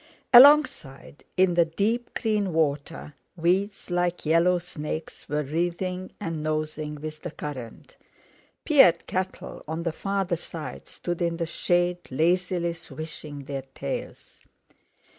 Alongside, in the deep green water, weeds, like yellow snakes, were writhing and nosing with the current; pied cattle on the farther side stood in the shade lazily swishing their tails.